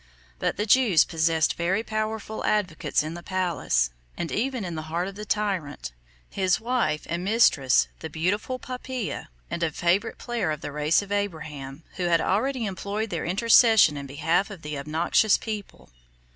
But the Jews possessed very powerful advocates in the palace, and even in the heart of the tyrant; his wife and mistress, the beautiful Poppæa, and a favorite player of the race of Abraham, who had already employed their intercession in behalf of the obnoxious people.